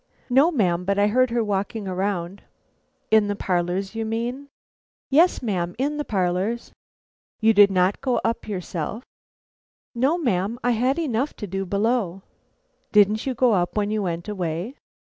"No, ma'am; but I heard her walking around." "In the parlors, you mean?" "Yes, ma'am, in the parlors." "You did not go up yourself?" "No, ma'am, I had enough to do below." "Didn't you go up when you went away?"